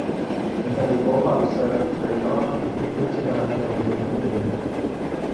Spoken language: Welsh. Roedden nhw bob amser yn ffraeo ac yn cipio teganau oddi wrth ei gilydd.